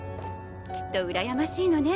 きっとうらやましいのね